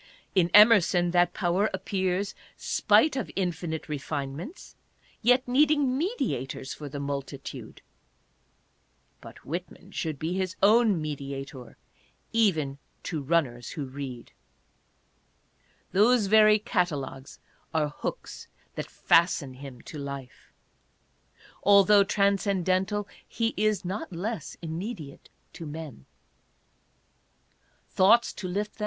In Emerson that power appears, spite of infinite refinements, yet needing mediators for the multitude. But Whitman should be his own mediator, even to runners who read. Those very cat alogues are hooks that fasten him to life. Altogether trans cendental, he is not less immediate to men. Thoughts to lift * See frontispiece. CLIFFORD.